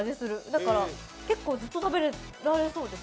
だから結構、ずっと食べられそうです。